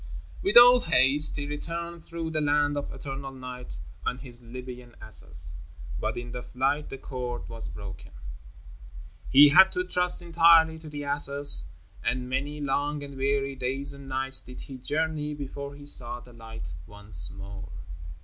With all haste he returned through the land of eternal night on his Libyan asses. But in the flight the cord was broken. He had to trust entirely to the asses, and many long and weary days and nights did he journey before he saw the light once more.